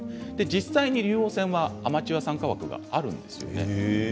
実際に竜王戦はアマチュア参加枠があるんですよね